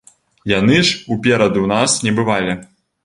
Яны ж уперад у нас не бывалі.